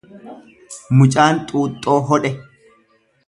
Mucaan xuuxxoo hodhe